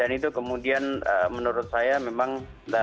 dan itu kemudian menurut saya memang